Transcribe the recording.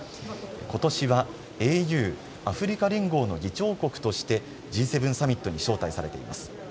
ことしはＡＵ・アフリカ連合の議長国としてＧ７サミットに招待されています。